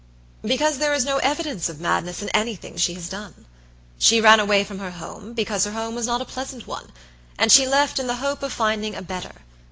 "Because there is no evidence of madness in anything she has done. She ran away from her home, because her home was not a pleasant one, and she left in the hope of finding a better.